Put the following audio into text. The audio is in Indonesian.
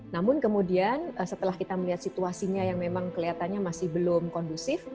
namun kemudian setelah kita melihat situasinya yang memang kelihatannya masih belum kondusif